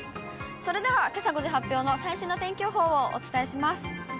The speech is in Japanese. それではけさ５時発表の最新の天気予報をお伝えします。